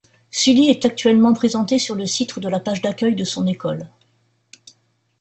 Sulli est actuellement présentée sur le site de la page d'accueil de son école.